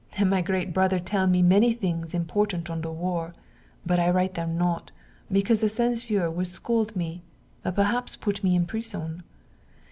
And my great brother tell me many things important on the war. But I write them not, because the censure would scold me; perhaps put me in prison.